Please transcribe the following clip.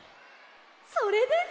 それです！